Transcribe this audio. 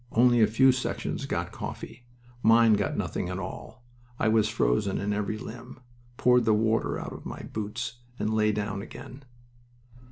Only a few sections got coffee. Mine got nothing at all. I was frozen in every limb, poured the water out of my boots, and lay down again."